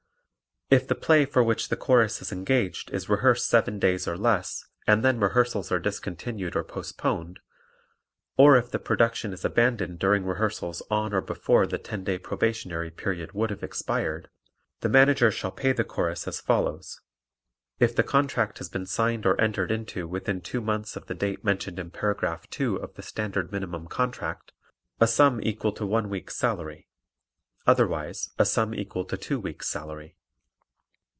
If the play for which the Chorus is engaged is rehearsed seven days or less and then rehearsals are discontinued or postponed, or if the production is abandoned during rehearsals on or before the ten day probationary period would have expired, the Manager shall pay the Chorus as follows: If the contract has been signed or entered into within two months of the date mentioned in Paragraph 2 of the Standard Minimum Contract, a sum equal to one week's salary, otherwise a sum equal to two weeks' salary.